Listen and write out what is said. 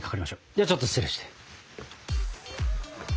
ではちょっと失礼して。